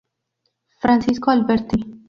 Francisco Alberti.